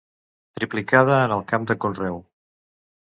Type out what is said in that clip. Triplicada en el camp de conreu.